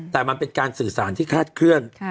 แต่มันเป็นการสื่อสารที่คาดเคลื่อน